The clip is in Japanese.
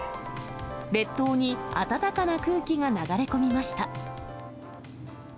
列島に暖かな空気が流れ込みました。